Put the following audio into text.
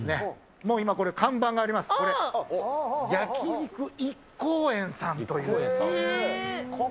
もう、今、これ、看板があります、これ、一幸園さん。